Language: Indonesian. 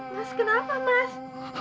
mas kenapa mas